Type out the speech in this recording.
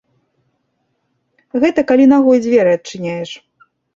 Гэта калі нагой дзверы адчыняеш.